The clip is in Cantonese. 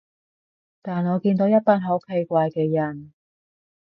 但我見到一班好奇怪嘅人